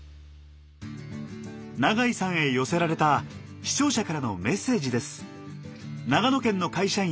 永井さんへ寄せられた視聴者からのメッセージです。